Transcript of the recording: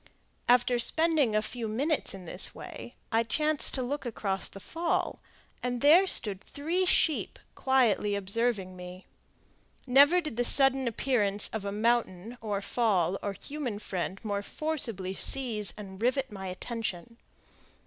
After spending a few minutes in this way, I chanced to look across the fall, and there stood three sheep quietly observing me. Never did the sudden appearance of a mountain, or fall, or human friend more forcibly seize and rivet my attention.